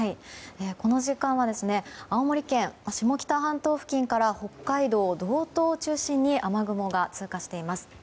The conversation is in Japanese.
この時間は青森県下北半島付近から北海道の道東を中心に雨雲が通過しています。